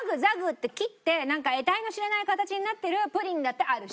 ッて切って得体の知れない形になってるプリンだってあるし。